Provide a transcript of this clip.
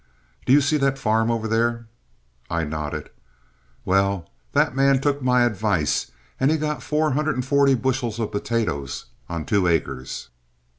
"Do you see that farm over there?" I nodded. "Well, that man took my advice and he got 440 bushels of potatoes on two acres."